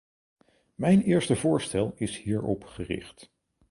Mijn eerste voorstel is hierop gericht.